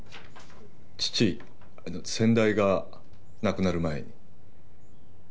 父先代が亡くなる前に。